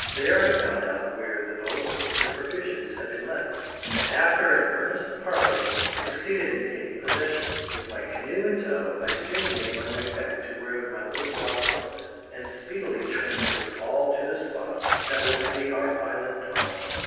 There I found out where the boat and the provisions had been left, and after an earnest parley succeeded in getting possession. With my canoe in tow I soon made my way back to where my little flock was, and speedily transferred all to the spot that was to be our island dwelling.